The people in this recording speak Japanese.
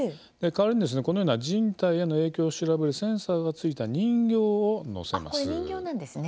代わりにこのような人体への影響を調べるセンサーが付いた人形をのせます。